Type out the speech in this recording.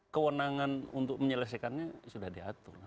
kewenangan untuk menyelesaikannya sudah diatur